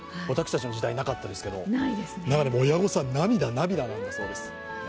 私たちの時代、なかったですけど親御さん、涙、涙なんだそうです。